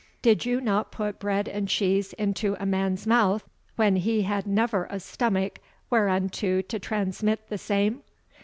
Did you not put bread and cheese into a man's mouth, when he had never a stomach whereunto to transmit the same?"